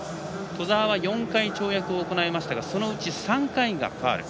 兎澤が４回跳躍を行いましたがそのうち３回ファウル。